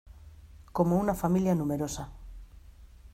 como una familia numerosa.